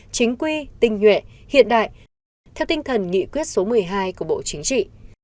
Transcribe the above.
chính quy tinh nhuệ hiện đại theo tinh thần nghị quyết số một mươi hai của bộ chính trị